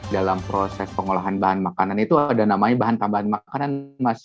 dalam proses pengolahan bahan makanan itu ada namanya bahan tambahan makanan mas